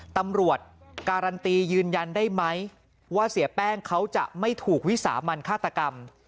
ตำรวจการันตียืนยันได้ไหมว่าเสียแป้งเขาจะไม่ถูกวิสามันฆาตกรรม